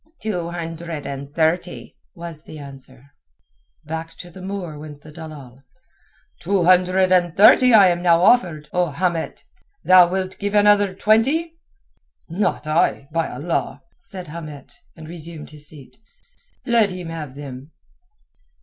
"Two hundred and thirty," was the answer. Back to the Moor went the dalal. "Two hundred and thirty I am now offered, O Hamet. Thou wilt give another twenty?" "Not I, by Allah!" said Hamet, and resumed his seat. "Let him have them."